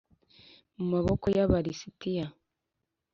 mu maboko y Aba lisitiya